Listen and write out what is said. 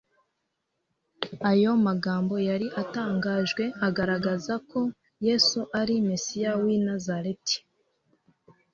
ayo magambo yari atangajwe agaragaza ko Yesu ari Mesiya w'i Nazareti,